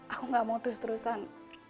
aku gak mau terus terusan